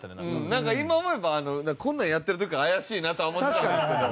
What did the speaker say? なんか今思えばこんなんやってる時から怪しいなとは思ってたんですけど。